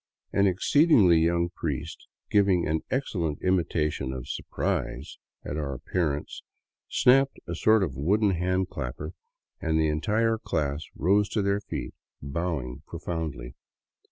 An exceedingly young priest, giving an excellent imitation of surprise at our appearance, snapped a sort of wooden hand clapper, and the entire class rose to their feet bowing profoundly.